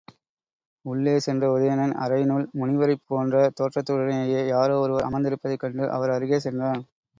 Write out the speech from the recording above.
உள்ளே சென்ற உதயணன் அறையினுள் முனிவரைப் போன்ற தோற்றத்துடனேயே யாரோ ஒருவர் அமர்ந்திருப்பதைக் கண்டு அவர் அருகே சென்றான்.